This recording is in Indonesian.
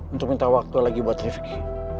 untuk minta waktu lagi buat rifki